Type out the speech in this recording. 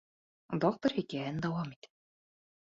ДОКТОР ХИКӘЙӘҺЕН ДАУАМ ИТӘ.